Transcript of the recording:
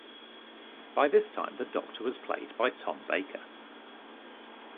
By this time the Doctor was played by Tom Baker.